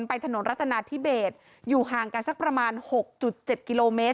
ไปถนนรัตนาทิเบสอยู่ห่างกันสักประมาณหกจุดเจ็ดกิโลเมตร